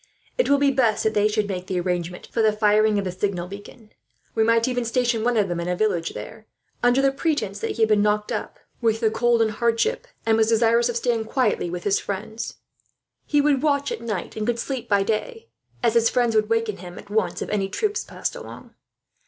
It will be best that they should make the arrangements for the firing of the signal beacon. We might even station one of them in a village there, under the pretence that he had been knocked up with the cold and hardship, and was desirous of staying quietly with his friends. He would watch at night and could sleep by day, as his friends would waken him at once, if any troops passed along."